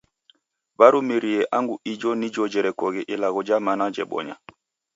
Warumirie angu ijo nijo jerekoghe ilagho ja mana jebonya.